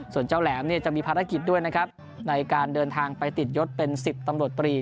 ส่วนเจ้าแหลมเนี่ยจะมีภารกิจด้วยนะครับในการเดินทางไปติดยศเป็น๑๐ตำรวจตรี